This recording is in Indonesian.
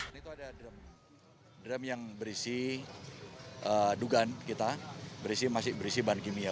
ini tuh ada drum yang berisi dugaan kita masih berisi bahan kimia